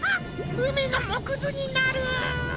うみのもくずになる！